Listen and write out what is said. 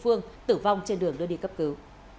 phương tử vong trên đường đưa đi cấp cứu